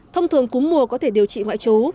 thông thường cúm mùa có thể điều trị ngoại trú